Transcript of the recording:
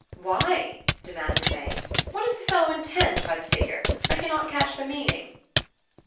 "Why?" demanded May, "What does the fellow intend by the figure? I cannot catch the meaning."